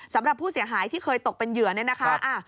สำหรับผู้เสียหายที่เคยตกเป็นเหยื่อเนี่ยนะคะ